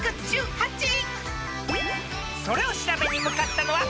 ［それを調べに向かったのは］